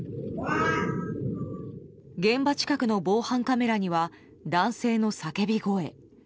現場近くの防犯カメラには男性の叫び声。